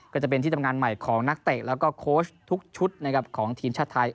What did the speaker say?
ก็จะเป็นที่ทำงานใหม่ของนักเตะแล้วก็โค้ชทุกชุดนะครับของทีมชาติไทย